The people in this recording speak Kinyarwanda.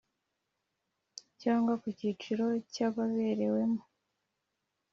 Cyangwa ku cyiciro cy ababerewemo